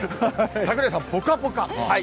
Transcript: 櫻井さん、ぽかぽか。